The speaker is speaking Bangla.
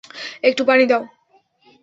একটু পানি দাও!